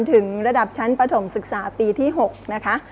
ถึงระดับชั้นปฐมศึกษาปีที่๖นะคะ